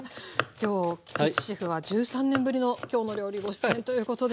今日菊地シェフは１３年ぶりの「きょうの料理」ご出演ということで。